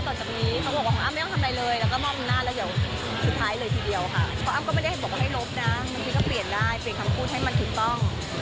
พี่ก็ไม่ได้บอกให้ลบนะเพื่อฉกับเปลี่ยนได้เปลี่ยนคำพูดให้มันถูกต้อง